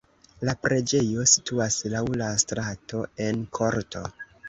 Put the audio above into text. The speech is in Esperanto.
La preĝejo situas laŭ la strato en korto.